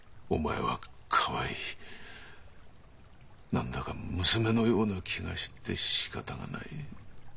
何だか娘のような気がしてしかたがない。